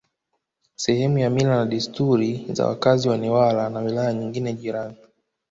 sehemu ya mila na desturi za wakazi wa Newala na wilaya nyingine jirani